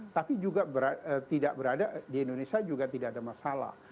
tapi juga tidak berada di indonesia juga tidak ada masalah